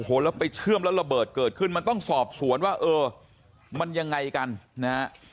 โอ้โหแล้วไปเชื่อมแล้วระเบิดเกิดขึ้นมันต้องสอบสวนว่าเออมันยังไงกันนะฮะ